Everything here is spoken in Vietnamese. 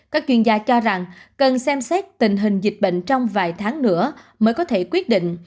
các chuyên gia cho rằng cần xem xét tình hình dịch bệnh trong vài tháng nữa mới có thể quyết định